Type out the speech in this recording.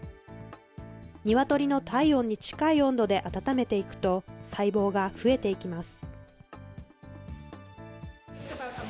ニワトリの体温に近い温度で温めていくと、細胞が増えていきます。